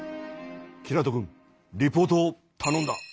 キラト君リポートをたのんだ。